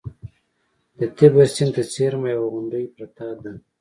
د تیبر سیند ته څېرمه یوه غونډۍ پرته ده